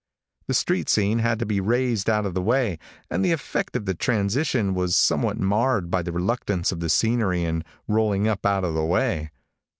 The street scene had to be raised out of the way, and the effect of the transition was somewhat marred by the reluctance of the scenery in rolling up out of the way.